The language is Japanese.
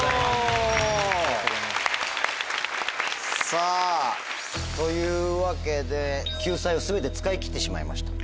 さぁというわけで救済を全て使い切ってしまいました。